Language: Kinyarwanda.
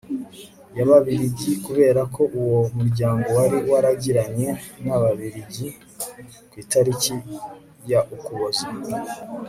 y'ababiligi kubera ko uwo muryango wari waragiranye n'ababiligi, kw'itariki ya ukuboza